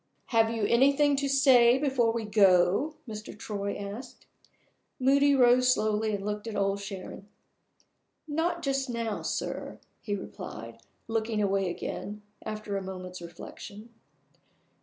"Have you anything to say before we go?" Mr. Troy asked. Moody rose slowly and looked at Old Sharon. "Not just now, sir," he replied, looking away again, after a moment's reflection.